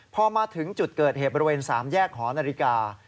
พอมาถึงจุดเกิดเหตุบริเวณ๓แยกหอนาฬิกา